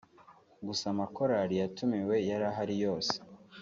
gusa amakorali yatumiwe yari ahari yose